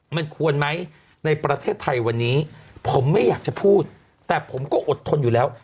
มันควรไหมในประเทศไทยวันนี้ผมไม่อยากจะพูดแต่ผมก็อดทนอยู่แล้ว